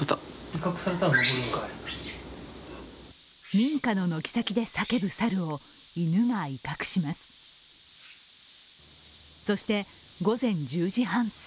民家の軒先で叫ぶ猿を犬が威嚇します。